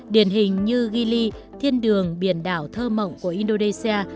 điển hình như gili thiên đường biển đảo thơ mộng của indonesia